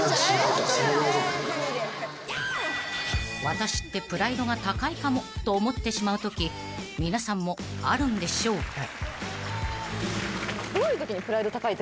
［私ってプライドが高いかも？と思ってしまうとき皆さんもあるんでしょうか？］